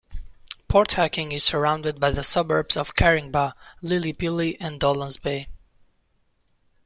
Port Hacking is surrounded by the suburbs of Caringbah, Lilli Pilli and Dolans Bay.